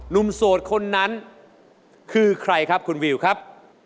โสดคนนั้นคือใครครับคุณวิวครับ